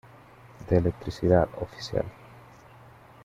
de electricidad, oficial.